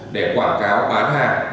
để quảng cáo bán hàng